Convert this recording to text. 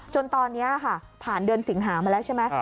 จนตอนนี้ค่ะผ่านเดือนสิงหามาแล้วใช่ไหม